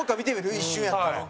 一瞬やったの。